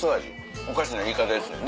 おかしな言い方ですよね